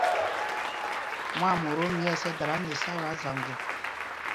Mwâmotom nyɛ̂ɛs ɛ́ dala nɛ ɛsáwaa zaŋgo.